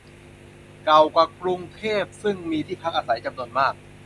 เก่ากว่ากรุงเทพ ซึ่งมีที่พักอาศัยจำนวนมาก